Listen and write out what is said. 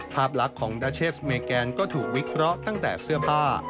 ภาพลักษณ์ของดาเชสเมแกนก็ถูกวิเคราะห์ตั้งแต่เสื้อผ้า